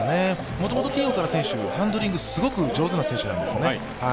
もともとＴ−岡田選手、ハンドリング、すごく上手な選手なんですね。